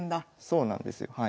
そうなんですはい。